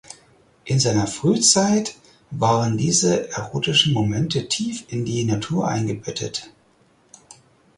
In seiner Frühzeit waren diese erotischen Momente tief in die Natur eingebettet.